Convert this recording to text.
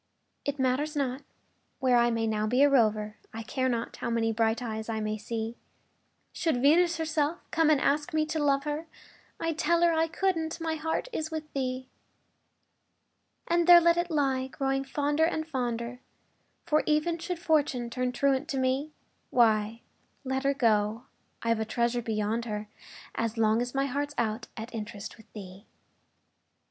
It matters not where I may now be a rover, I care not how many bright eyes I may see; Should Venus herself come and ask me to love her, I'd tell her I couldn't my heart is with thee. And there let it lie, growing fonder and, fonder For, even should Fortune turn truant to me, Why, let her go I've a treasure beyond her, As long as my heart's out at interest With thee!